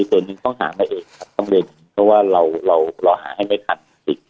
ส่วนหนึ่งต้องหาไปเองครับต้องเรียนเพราะว่าเราเราเราหาให้ไม่ทันอีก